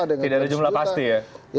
tidak ada jumlah pasti ya